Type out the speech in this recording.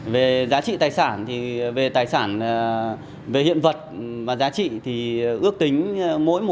về giá trị tài sản thì về tài sản về hiện vật và giá trị thì ước tính mỗi một